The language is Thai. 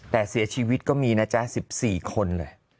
แต่เสียชีวิตก็มีนะจ๊ะ๑๔คนเลย